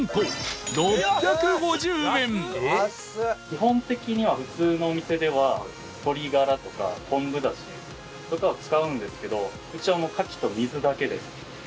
基本的には普通のお店では鶏ガラとか昆布ダシとかを使うんですけどうちはもう牡蠣と水だけで炊き上げてます。